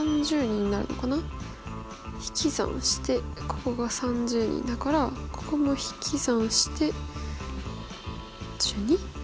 引き算してここが３０人だからここも引き算して１２。